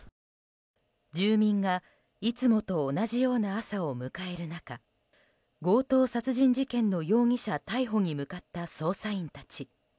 住民がいつもと同じような朝を迎える中強盗殺人事件の容疑者逮捕に向かった捜査員たち。